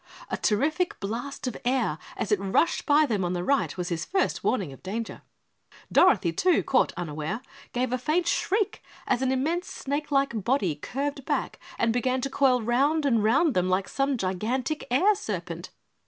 A terrific blast of air as it rushed by them on the right was his first warning of danger. Dorothy, too, caught unaware, gave a faint shriek as an immense snake like body curved back and began to coil round and round them like some gigantic air serpent.